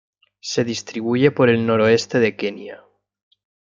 Se distribuye por el noroeste de Kenia.